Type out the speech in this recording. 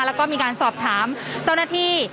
แล้วก็มีการสอบถามเจ้าหน้าที่